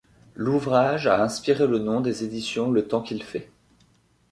L'ouvrage a inspiré le nom des éditions Le Temps qu'il fait.